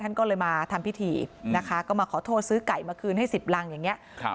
นะคะก็มาขอโทษซื้อไก่มาคืนให้สิบลังอย่างเงี้ยครับ